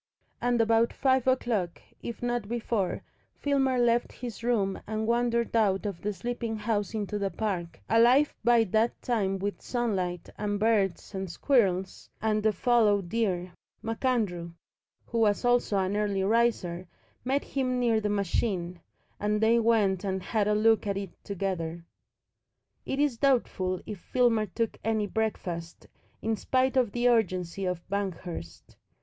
And about five o'clock, if not before, Filmer left his room and wandered out of the sleeping house into the park, alive by that time with sunlight and birds and squirrels and the fallow deer. MacAndrew, who was also an early riser, met him near the machine, and they went and had a look at it together. It is doubtful if Filmer took any breakfast, in spite of the urgency of Banghurst.